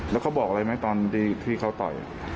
แล้วเขาบอกอะไรไหมตอนที่เขาต่อย